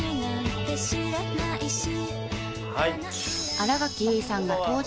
［新垣結衣さんが登場］